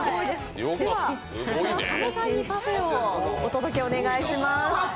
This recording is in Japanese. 佐野さんにパフェをお届けお願いします。